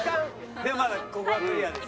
でもまだここはクリアです。